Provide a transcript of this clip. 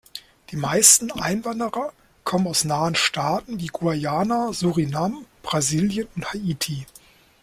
Die meisten Einwanderer kommen aus nahen Staaten wie Guyana, Suriname, Brasilien und Haiti.